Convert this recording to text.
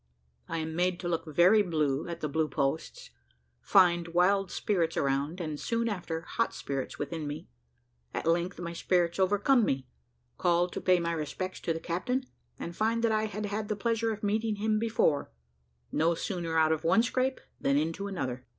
I AM MADE TO LOOK VERY BLUE AT THE BLUE POSTS FIND WILD SPIRITS AROUND, AND, SOON AFTER, HOT SPIRITS WITHIN ME; AT LENGTH MY SPIRITS OVERCOME ME CALL TO PAY MY RESPECTS TO THE CAPTAIN, AND FIND THAT I HAD HAD THE PLEASURE OF MEETING HIM BEFORE NO SOONER OUT OF ONE SCRAPE THAN INTO ANOTHER.